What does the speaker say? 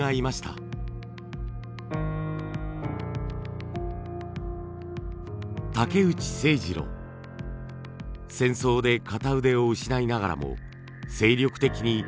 戦争で片腕を失いながらも精力的に創作を続けました。